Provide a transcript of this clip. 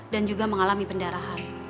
dan juga mengalami pendarahan